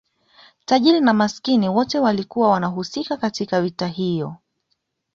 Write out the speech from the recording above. tajiri na masikini wote walikuwa wanahusika katika vita hiyo